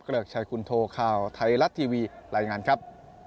ริกชัยคุณโทข่าวไทยรัฐทีวีรายงานครับ